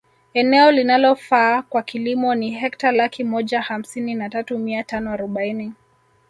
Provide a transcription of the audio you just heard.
Eneo linalofaa kwa kilimo ni hekta laki moja hamsini na tatu mia tano arobaini